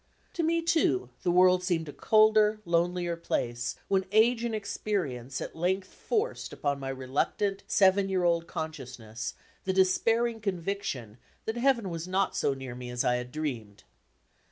To me, Kx>, the world seemed a colder, lonelier place when age and experience at length forced upon my reluctant seven year old consciousness the despairing conviction that Heaven D,9„,zedbyGOOgle was not so near me as I had dreamed.